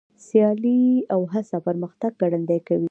سیالي او هڅه پرمختګ ګړندی کوي.